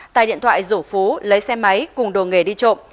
tài điện thoại rổ phú lấy xe máy cùng đồ nghề đi trộm